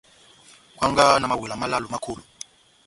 Kwangaha na mawela málálo má kolo.